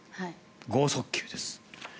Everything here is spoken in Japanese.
豪速球です。